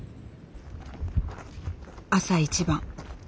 朝一番。